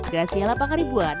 gasi ala pangaribuan